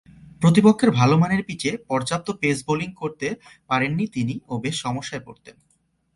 প্রতিপক্ষের ভালোমানের পিচে পর্যাপ্ত পেস বোলিং করতে পারেননি তিনি ও বেশ সমস্যায় পড়তেন।